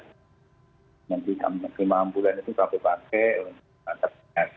nanti kami lima bulan itu pakai pakai